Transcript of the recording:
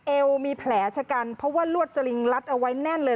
เอวมีแผลชะกันเพราะว่าลวดสลิงลัดเอาไว้แน่นเลย